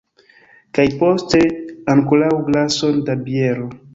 Kaj poste ankoraŭ glason da biero!